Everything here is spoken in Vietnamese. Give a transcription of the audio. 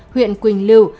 huyện quỳnh lưu